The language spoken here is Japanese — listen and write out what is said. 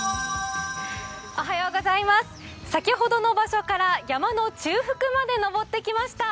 先ほどの場所から山の中腹まで登ってきました。